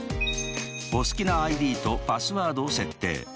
お好きなＩＤとパスワードを設定。